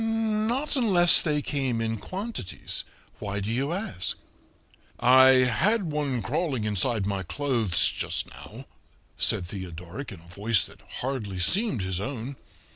"Not unless they came in quantities. Why do you ask?" "I had one crawling inside my clothes just now," said Theodoric in a voice that hardly seemed his own.